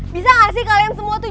bisa gak sih kalian semua tuh